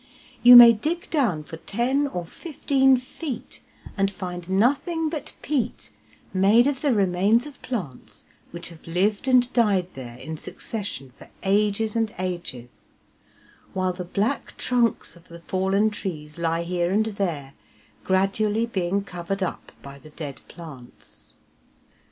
You may dig down for ten or fifteen feet, and find nothing but peat made of the remains of plants which have lived and died there in succession for ages and ages, while the black trunks of the fallen trees lie here and there, gradually being covered up by the dead plants.